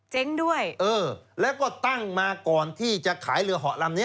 เจ๊งด้วยเออแล้วก็ตั้งมาก่อนที่จะขายเรือเหาะลำนี้